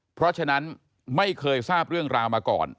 เพราะฉะนั้นไม่เคยทราบเรื่องราวมาก่อน